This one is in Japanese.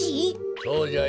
そうじゃよ。